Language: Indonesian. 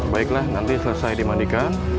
baiklah nanti selesai dimanikan